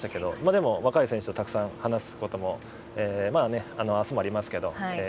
でも、若い選手とたくさん話すこともできたのでまあ明日もありますけど。